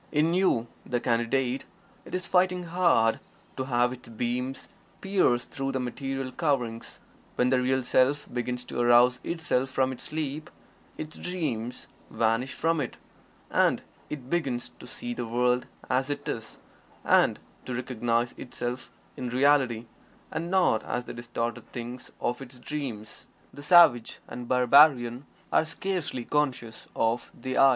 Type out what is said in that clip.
In you, the Candidate, it is fighting hard to have its beams pierce through the material coverings When the Real Self begins to arouse itself from its sleep, its dreams vanish from it, and it begins to see the world as it is, and to recognize itself in Reality and not as the distorted thing of its dreams. The savage and barbarian are scarcely conscious of the "I."